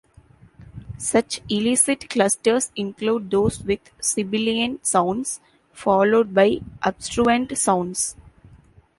Such illicit clusters include those with sibilant sounds followed by obstruent sounds.